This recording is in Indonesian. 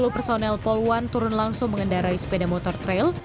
sepuluh personel poluan turun langsung mengendarai sepeda motor trail